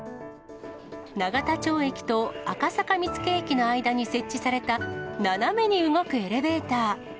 永田町駅と赤坂見附駅の間に設置された、斜めに動くエレベーター。